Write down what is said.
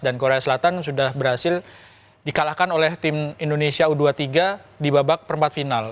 dan korea selatan sudah berhasil dikalahkan oleh tim indonesia u dua puluh tiga di babak perempat final